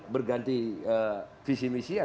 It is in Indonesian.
berganti visi misi ya